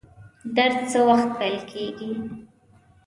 درس څه وخت پیل کیږي؟